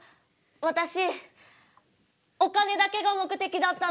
私お金だけが目的だったの。